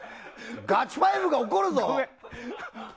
ガチファイブが怒るぞ！